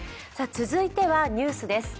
続いてはニュースです。